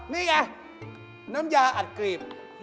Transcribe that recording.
นี้ไงน้มยาอัดกลีบ